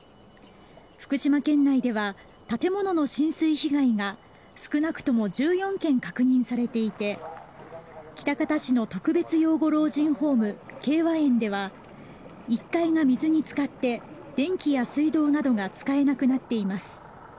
福島県内では建物の浸水被害が少なくとも１４軒確認されていて喜多方市の特別養護老人ホームけいわ苑では１階が水につかって電気や水道などが使えなくなっています。